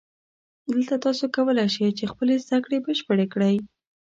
دلته تاسو کولای شئ چې خپلې زده کړې بشپړې کړئ